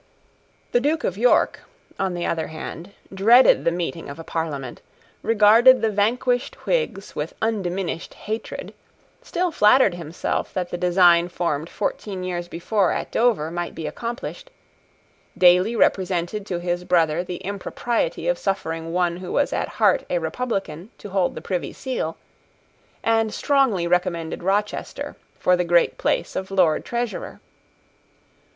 The Duke of York, on the other hand, dreaded the meeting of a Parliament, regarded the vanquished Whigs with undiminished hatred, still flattered himself that the design formed fourteen years before at Dover might be accomplished, daily represented to his brother the impropriety of suffering one who was at heart a Republican to hold the Privy Seal, and strongly recommended Rochester for the great place of Lord Treasurer.